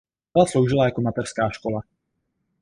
Vila sloužila jako mateřská škola.